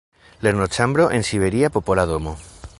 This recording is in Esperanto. “Lernoĉambro en siberia Popola Domo.